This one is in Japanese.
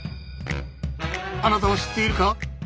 あなたは知っているか？